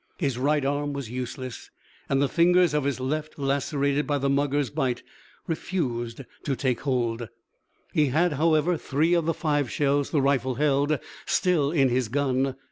His right arm was useless, and the fingers of his left, lacerated by the mugger's bite, refused to take hold. He had, however, three of the five shells the rifle held still in his gun.